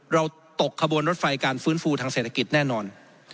เราตกขบวนรถไฟการฟื้นฟูทางเศรษฐกิจแน่นอน